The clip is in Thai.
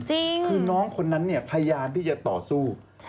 คือน้องคนนั้นเนี่ยพยายามที่จะต่อสู้